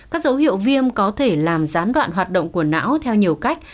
các dấu hiệu viêm có thể làm gián đoạn hoạt động của não theo nhiều cách